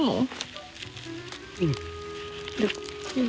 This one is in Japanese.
うん。